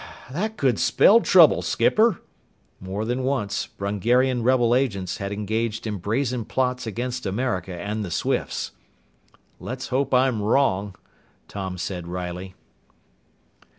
"That could spell trouble, skipper." More than once, Brungarian rebel agents had engaged in brazen plots against America and the Swifts. "Let's hope I'm wrong," Tom said wryly.